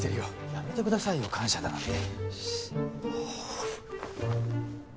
やめてくださいよ感謝だなんて。